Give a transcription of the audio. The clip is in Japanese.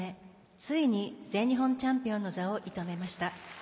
ついに全日本チャンピオンの座を射止めました。